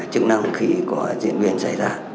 chức năng khi có diễn biến xảy ra